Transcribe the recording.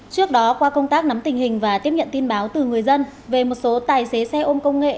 trước đó qua công tác nắm tình hình và tiếp nhận tin báo từ người dân về một số tài xế xe ôm công nghệ